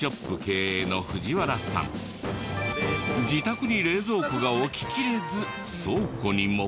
自宅に冷蔵庫が置ききれず倉庫にも。